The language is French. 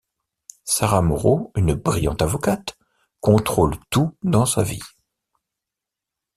Sarah Moreau, une brillante avocate, contrôle tout dans sa vie.